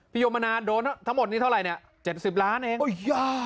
พี่โยมณาโดนทั้งหมดนี้เท่าไรเนี่ยเจ็ดสิบล้านเองโอ้ยยา